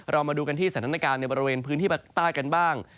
เรามาดูกันที่สถานการณ์ในบริเวณพื้นที่ภาคใต้กันบ้าง